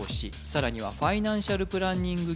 さらにはファイナンシャル・プランニング